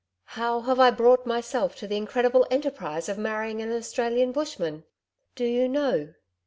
'How have I brought myself to the incredible enterprise of marrying an Australian bushman? Do you know?'